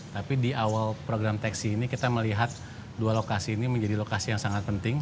tapi di awal program teksi ini kita melihat dua lokasi ini menjadi lokasi yang sangat penting